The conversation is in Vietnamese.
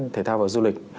thể thao và du lịch